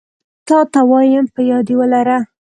تاته وايم په ياد يي ولره